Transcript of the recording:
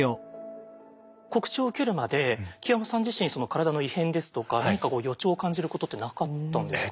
告知を受けるまで木山さん自身体の異変ですとか何かこう予兆を感じることってなかったんですか？